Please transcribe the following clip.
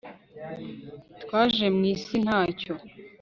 twaje mwisi ntacyo